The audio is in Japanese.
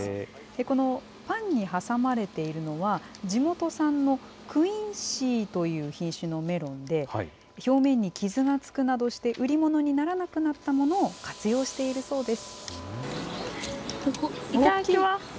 このパンに挟まれているのは、地元産のクインシーという品種のメロンで、表面に傷がつくなどして売り物にならなくなったものを活用しているそうです。